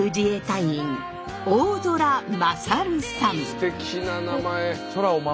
すてきな名前。